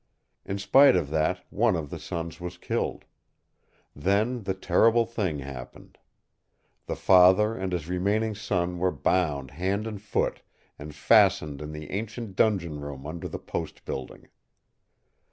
In spite of that one of the sons was killed. Then the terrible thing happened. The father and his remaining son were bound hand and foot and fastened in the ancient dungeon room under the Post building.